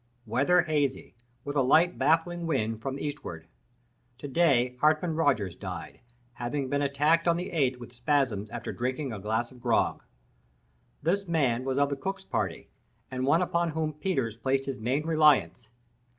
Weather hazy, with a light baffling wind from the eastward. To day Hartman Rogers died, having been attacked on the eighth with spasms after drinking a glass of grog. This man was of the cook's party, and one upon whom Peters placed his main reliance.